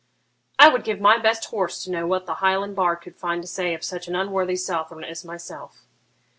'I would give my best horse to know what the Highland bard could find to say of such an unworthy Southron as myself.'